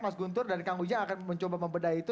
mas juntur dan kang ujang akan mencoba membedai itu